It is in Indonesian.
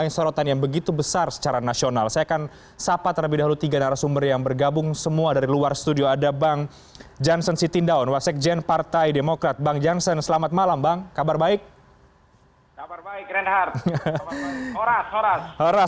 selamat datang di sur indonesia